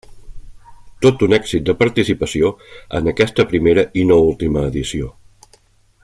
Tot un èxit de participació, en aquesta primera i no última edició.